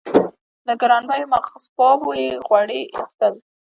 له ګرانبیو مغزبابو یې غوړي اېستل.